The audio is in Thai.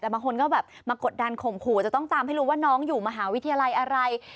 แต่บางคนก็แบบมากดดันข่มขู่จะต้องตามให้รู้ว่าน้องอยู่มหาวิทยาลัยอะไร